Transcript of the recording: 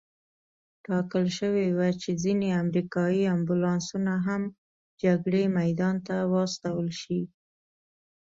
ټاکل شوې وه چې ځینې امریکایي امبولانسونه هم جګړې میدان ته واستول شي.